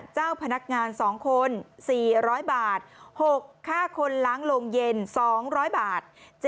เจ้าพนักงาน๒คน๔๐๐บาท๖ค่าคนล้างโรงเย็น๒๐๐บาท